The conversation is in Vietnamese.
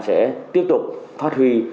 sẽ tiếp tục phát huy